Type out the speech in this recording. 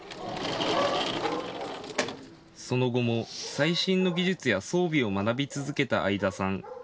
その後も最新の技術や装備を学び続けた相田さん。